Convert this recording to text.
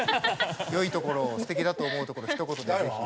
よいところをすてきだと思うところひと言で是非。